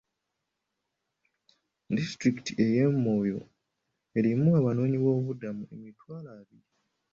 Disitulikiti y'e Moyo erimu abanoonyiboobubudamu emitwalo abiri.